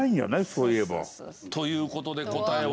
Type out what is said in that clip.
そういえば。という事で答えは。